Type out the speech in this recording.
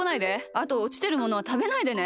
あとおちてるものはたべないでね。